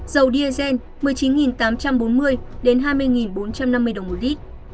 dầu diesel một mươi chín tám trăm bốn mươi đến hai mươi bốn trăm năm mươi đồng một lít